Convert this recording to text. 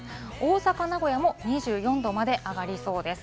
大阪、名古屋も２４度まで上がりそうです。